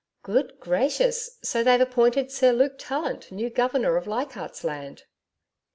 'Good gracious! So they've appointed Sir Luke Tallant new Governor of Leichardt's Land!'